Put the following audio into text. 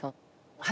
はい。